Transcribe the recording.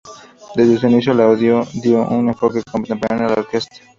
Desde su inicio, Landau dio un enfoque contemporáneo a la orquesta.